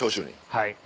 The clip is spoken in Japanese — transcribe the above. はい